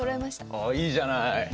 あっいいじゃない。